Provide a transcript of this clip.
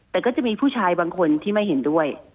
แต่ก็จะมีผู้ชายบางคนที่ไม่เห็นด้วย